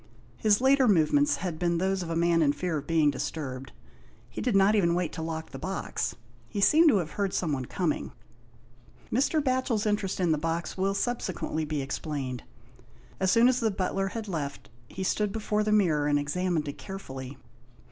His later movements had been those of a man in fear of being disturbed. He did not even wait to lock the box. He seemed to have heard someone coming. Mr. Batchel's interest in the box will subse quently be explained. As soon as the butler had left, he stood before the mirror and examined it carefully.